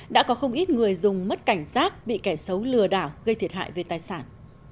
đã có không ít người dùng mất cảnh giác bị kẻ xấu lừa đảo gây thiệt hại về tài sản